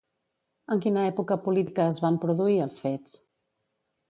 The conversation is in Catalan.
En quina època política es van produir els fets?